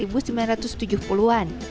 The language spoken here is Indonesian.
pada tahun seribu sembilan ratus tujuh puluh an